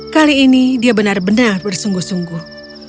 kali ini dia benar benar bersungguh sungguh